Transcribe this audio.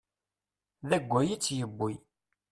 D awway i t-yewwi.